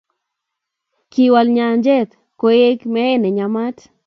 Kiwal nyanjet kowegei mei neyamat